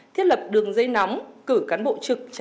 thiết lập đường dây nóng cử cán bộ trực trả lời kịp thời